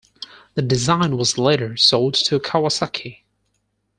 The design was later sold to Kawasaki.